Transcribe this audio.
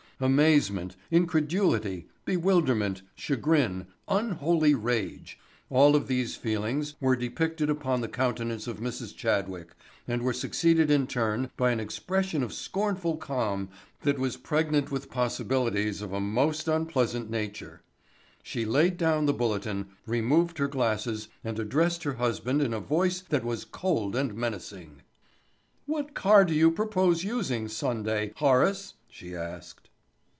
Amazement, incredulity, bewilderment, chagrin, unholy rage—all of these feelings were depicted upon the countenance of Mrs. Chadwick and were succeeded in turn, by an expression of scornful calm that was pregnant with possibilities of a most unpleasant nature. She laid down the Bulletin, removed her glasses and addressed her husband in a voice that was cold and menacing. "What car do you propose using Sunday, Horace?" she asked.